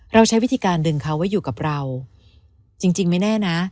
เราใช้วิธีการดึงเขาไว้อยู่กับเราจริงไม่แน่นะ